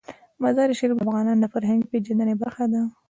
مزارشریف د افغانانو د فرهنګي پیژندنې برخه ده.